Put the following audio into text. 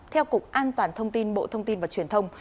theo cục an toàn thông tin bộ thông tin và truyền thông